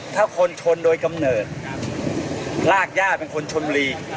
ถ้าคนชนโดยกำเนิดรากย่าเป็นคนชนบุรี